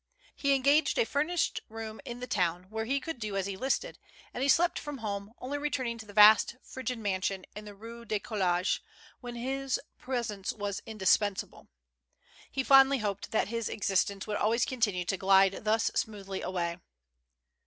He engaged a furnished room in the town, where he could do as he listed, and he slept from home, only returning to the vast, frigid mansion in the Eue du College when his presence was indispensable. He fondly hoped that his existence would always continue to glide thus smoothly away.